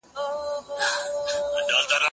ايا ته باغ پاکوې،